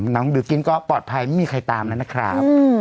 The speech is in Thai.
น้องบิลกิ้นก็ปลอดภัยไม่มีใครตามแล้วนะครับ